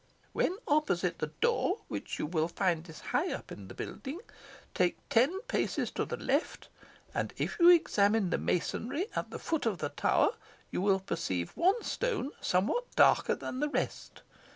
When opposite the door, which you will find is high up in the building, take ten paces to the left, and if you examine the masonry at the foot of the tower, you will perceive one stone somewhat darker than the rest.